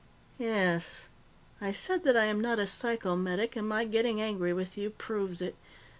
"Yes. I said that I am not a psychomedic, and my getting angry with you proves it.